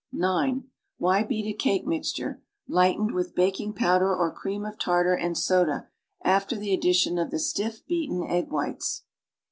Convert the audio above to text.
(9) Why beat a cake mixture (lightened with, baking powder or cream of tartar and soda) after the addition of the stiff beaten egg whites?